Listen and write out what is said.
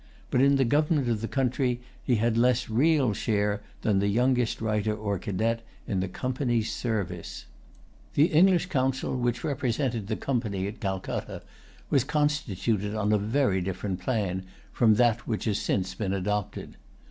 But in the government of the country he had less real share than the youngest writer or cadet in the Company's service.[Pg 128] The English council which represented the Company at Calcutta was constituted on a very different plan from that which has since been adopted.